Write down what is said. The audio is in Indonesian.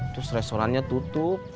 terus restorannya tutup